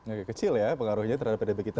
agak kecil ya pengaruhnya terhadap pdb kita